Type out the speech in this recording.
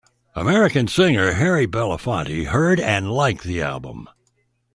American singer Harry Belafonte heard and liked the album.